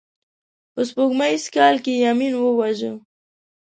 په سپوږمیز کال کې یې امین وواژه.